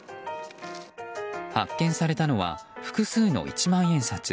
発見されたのは複数の一万円札。